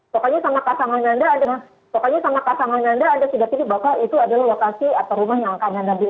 pokoknya sama kasangan anda anda sudah pilih bahwa itu adalah lokasi atau rumah yang akan anda beli